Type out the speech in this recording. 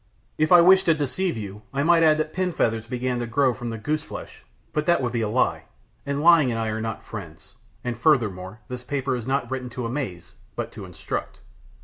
If I wished to deceive you, I might add that pin feathers began to grow from the goose flesh, but that would be a lie, and lying and I are not friends, and, furthermore, this paper is not written to amaze, but to instruct.